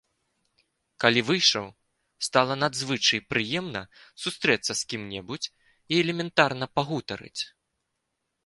Калі выйшаў, стала надзвычай прыемна сустрэцца з кім-небудзь і элементарна пагутарыць.